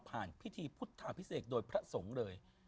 พิธีพุทธาพิเศษโดยพระสงฆ์เลย